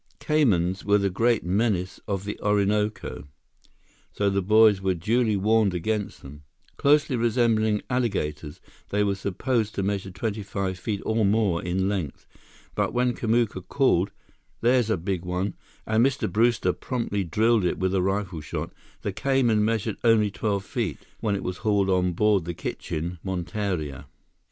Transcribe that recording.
Caymans were the great menace of the Orinoco, so the boys were duly warned against them. Closely resembling alligators, they were supposed to measure twenty five feet or more in length. But when Kamuka called, "There's a big one!" and Mr. Brewster promptly drilled it with a rifle shot, the cayman measured only twelve feet, when it was hauled on board the kitchen monteria.